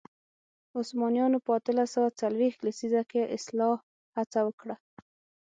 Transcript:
عثمانیانو په اتلس سوه څلوېښت لسیزه کې اصلاح هڅه وکړه.